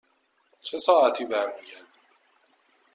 چه ساعتی برمی گردیم؟